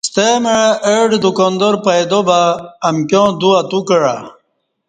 ستمع اہ ڈہ دکاندار پیدابہ امکیاں دو اتوکعہ